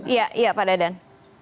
iya iya pak dadan